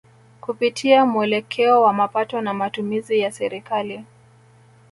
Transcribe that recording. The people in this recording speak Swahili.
Kupitia muelekeo wa mapato na matumizi ya Serikali